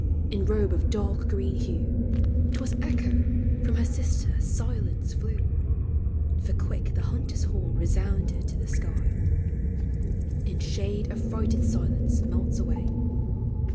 — In robe of dark green hue, 5 T was Echo from her sister Silence flew, For quick the hunter's horn resounded to the sky ! In shade affrighted Silence melts away.